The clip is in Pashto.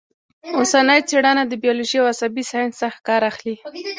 اوسنۍ څېړنه د بیولوژۍ او عصبي ساینس څخه کار اخلي